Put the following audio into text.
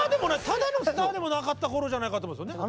ただのスターでもなかった頃じゃないかと思うんですよね。